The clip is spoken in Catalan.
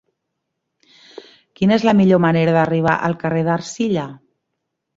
Quina és la millor manera d'arribar al carrer d'Ercilla?